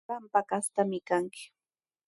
Qamqa kastaami kanki.